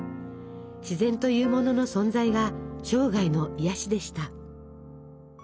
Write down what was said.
自然というものの存在が生涯の癒やしでした。